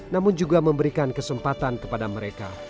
namun juga memberikan kesempatan kepada mereka